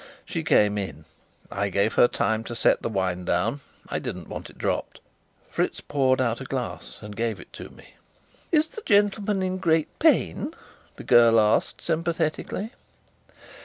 She came in. I gave her time to set the wine down I didn't want it dropped. Fritz poured out a glass and gave it to me. "Is the gentleman in great pain?" the girl asked, sympathetically.